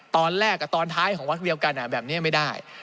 ตอนแรกตอนท้ายของวัดเดียวกันแบบนี้ไม่ได้